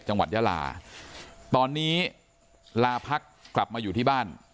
จังหวัดยาลาตอนนี้ลาพักกลับมาอยู่ที่บ้าน